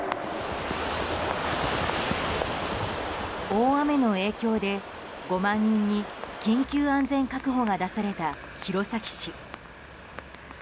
大雨の影響で５万人に緊急安全確保が出された弘前市。